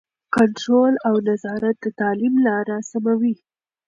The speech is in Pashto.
کنټرول او نظارت د تعلیم لاره سموي.